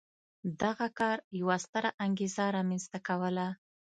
دغه کار یوه ستره انګېزه رامنځته کوله.